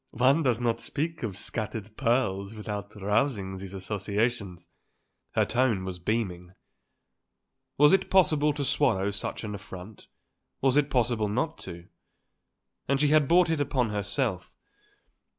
"One doesn't speak of scattered pearls without rousing these associations." Her tone was beaming. Was it possible to swallow such an affront? Was it possible not to? And she had brought it upon herself.